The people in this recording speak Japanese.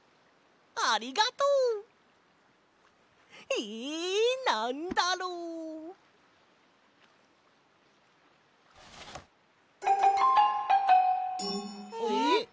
ありがとう！えなんだろう？えっ？